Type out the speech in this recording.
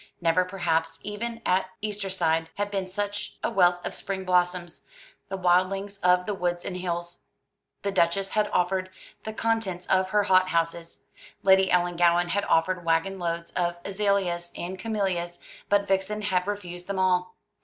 Never, perhaps, even at Eastertide, had been seen such a wealth of spring blossoms, the wildlings of the woods and hills. The Duchess had offered the contents of her hot houses, Lady Ellangowan had offered waggon loads of azaleas and camellias, but Vixen had refused them all.